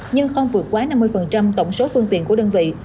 nhưng không vượt quá năm mươi tổng số phương tiện của đơn vị